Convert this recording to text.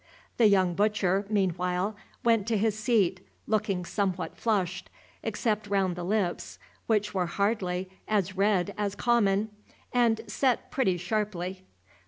The young butcher, meanwhile, went to his seat, looking somewhat flushed, except round the lips, which were hardly as red as common, and set pretty sharply.